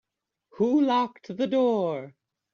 Who locked the door?